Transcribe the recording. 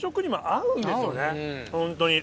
ホントに。